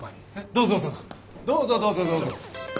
どうぞどうぞどうぞ。